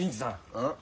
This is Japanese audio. うん？